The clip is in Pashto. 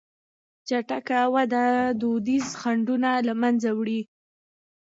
چټکه وده دودیز خنډونه له منځه وړي.